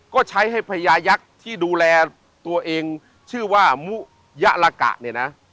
ก็ใช้ให้พญายักษ์ที่ดูแลตัวเองชื่อว่ามุยะลากะเนี่ยนะ